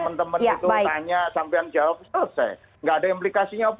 kalau biar saja teman teman itu tanya sampai yang jawab selesai tidak ada implikasinya apa apa